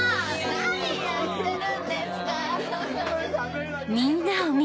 何やってるんですか！